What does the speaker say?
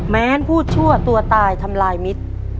แม้พูดชั่วตัวตายทำลายมิตร